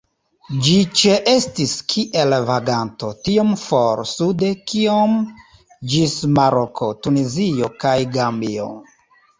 Ĝi ĉeestis kiel vaganto tiom for sude kiom ĝis Maroko, Tunizio kaj Gambio.